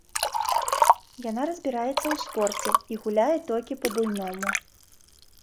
Яна разбіраецца ў спорце і гуляе толькі па-буйному.